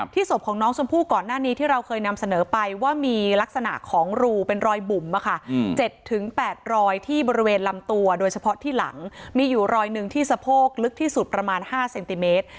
ศพของน้องชมพู่ก่อนหน้านี้ที่เราเคยนำเสนอไปว่ามีลักษณะของรูเป็นรอยบุ่ม๗๘รอยที่บริเวณลำตัวโดยเฉพาะที่หลังมีอยู่รอยหนึ่งที่สะโพกลึกที่สุดประมาณ๕เซนติเมตร